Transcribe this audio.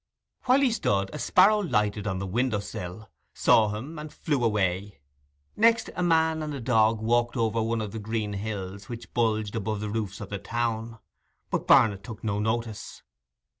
While he stood a sparrow lighted on the windowsill, saw him, and flew away. Next a man and a dog walked over one of the green hills which bulged above the roofs of the town. But Barnet took no notice.